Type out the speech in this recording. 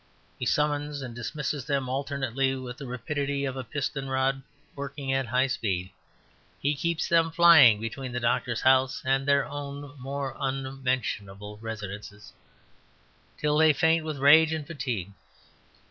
He summons and dismisses them alternately with the rapidity of a piston rod working at high speed; he keeps them flying between the doctor's house and their own more unmentionable residences till they faint with rage and fatigue.